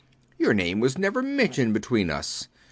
Your name was never mentioned between us.